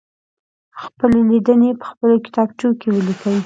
خپلې لیدنې په خپلو کتابچو کې ولیکئ.